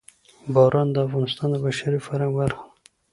باران د افغانستان د بشري فرهنګ برخه ده.